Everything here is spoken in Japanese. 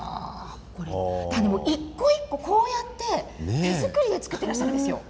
一個一個こうやって手作りで作っているんですよ。